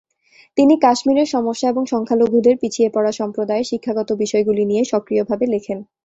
তিনি কাশ্মীরের সমস্যা এবং সংখ্যালঘুদের পিছিয়ে পড়া সম্প্রদায়ের শিক্ষাগত বিষয়গুলি নিয়ে সক্রিয়ভাবে লেখেন।